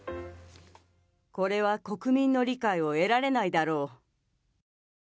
これは国民の理解を得られないだろう。